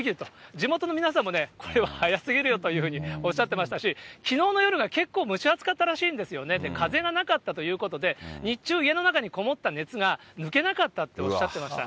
地元の皆さんもね、これは早すぎるよというふうにおっしゃってましたし、きのうの夜が結構蒸し暑かったらしいんですよね、風がなかったということで、日中、家の中にこもった熱が抜けなかったとおっしゃってました。